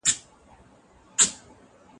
د غلا مال چاته سپارل کيږي؟